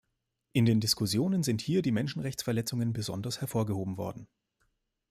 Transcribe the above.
In den Diskussionen sind hier die Menschenrechtsverletzungen besonders hervorgehoben worden.